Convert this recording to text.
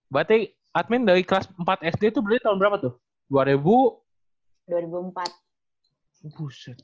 berarti admin dari kelas empat sd tuh berarti tahun berapa tuh